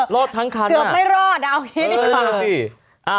รอดทั้งคันอ่ะเกือบไม่รอดเอาแบบนี้ดีกว่า